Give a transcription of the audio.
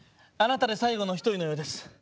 「あなたで最後の一人のようです。